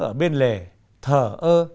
ở bên lề thở ơ